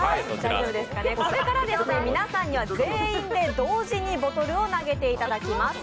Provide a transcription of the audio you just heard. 皆さんには全員で同時にボトルを投げていただきます。